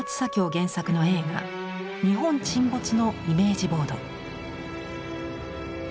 原作の映画「日本沈没」のイメージボード。